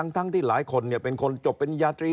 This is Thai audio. ทั้งที่หลายคนเนี่ยเป็นคนจบเป็นยาตรี